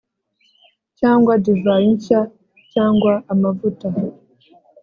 cyangwa divayi nshya cyangwa amavuta,